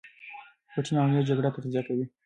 پټې معاملې جګړه تغذیه کوي.